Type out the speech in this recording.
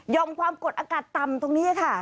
ความกดอากาศต่ำตรงนี้ค่ะ